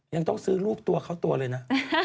ยังต้องซื้อรูปตัวเข้าตัวเลยนะ